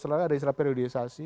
ada istilah periodisasi